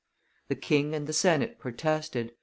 The king and the senate protested.